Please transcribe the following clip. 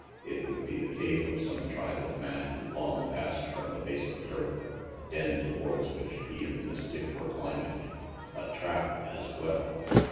It would be the cave of some tribe of man long passed from the face of the earth, a den towards which he and Miss Dick were climbing a trap, as well.